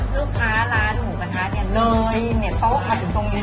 ลูกค้าร้านหมูกระทะเนี้ยเลยเนี้ยเพราะว่าขาดถึงตรงนี้